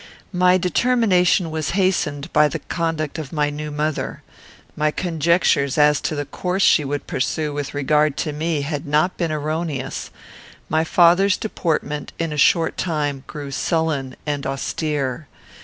My determination was hastened by the conduct of my new mother. My conjectures as to the course she would pursue with regard to me had not been erroneous. My father's deportment, in a short time, grew sullen and austere.